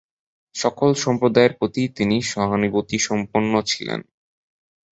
সকল সম্প্রদায়ের প্রতিই তিনি সহানুভূতিসম্পন্ন ছিলেন।